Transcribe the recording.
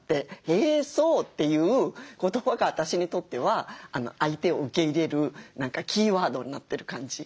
「へーそう」という言葉が私にとっては相手を受け入れるキーワードになってる感じですかね。